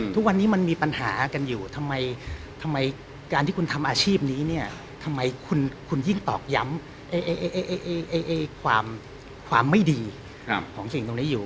ทุกวันนี้มันมีปัญหากันอยู่ทำไมการที่คุณทำอาชีพนี้เนี่ยทำไมคุณยิ่งตอกย้ำความไม่ดีของสิ่งตรงนี้อยู่